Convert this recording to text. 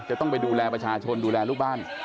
จะต้องไปดูแลประชาชนดูแลลูกบ้าน